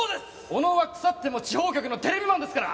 小野は腐っても地方局のテレビマンですから！